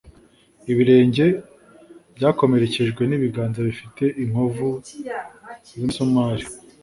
ibirenge byakomerekejwe n'ibiganza bifite inkovu z'imisumari.